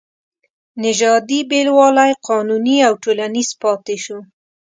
نژادي بېلوالی قانوني او ټولنیز پاتې شو.